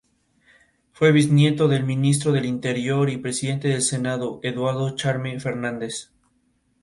Añejo de Bacardí, porque usted manda".